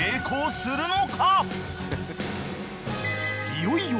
［いよいよ］